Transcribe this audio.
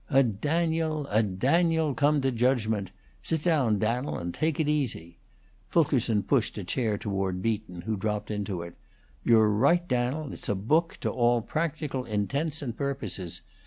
"A Daniel a Daniel come to judgment! Sit down, Dan'el, and take it easy." Fulkerson pushed a chair toward Beaton, who dropped into it. "You're right, Dan'el; it's a book, to all practical intents and purposes.